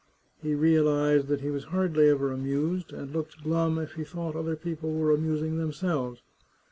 He realized that he was hardly ever amused, and looked glum if he thought other people were amusing themselves.